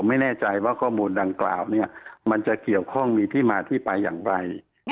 ไม่แน่ใจว่าข้อมูลดังกล่าวมันจะเกี่ยวข้องมีที่มาที่ไปอย่างไร